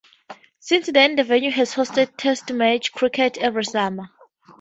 Since then the venue has hosted test match cricket every summer.